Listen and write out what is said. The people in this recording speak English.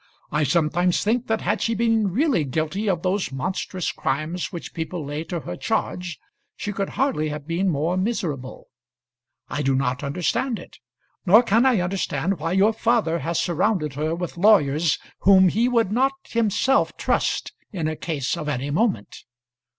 I sometimes think that had she been really guilty of those monstrous crimes which people lay to her charge, she could hardly have been more miserable. I do not understand it; nor can I understand why your father has surrounded her with lawyers whom he would not himself trust in a case of any moment.